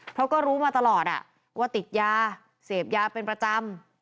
เพราะก็รู้มาตลอดว่าติดยาเสพยาเป็นประจำ